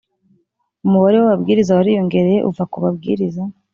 Umubare w ababwiriza wariyongereye uva ku babwiriza